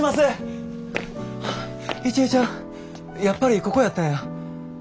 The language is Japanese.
やっぱりここやったんや。